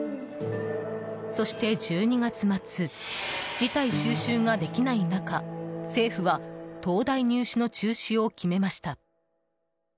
そして１２月末事態収拾ができない中政府は東大入試の中止を決めました。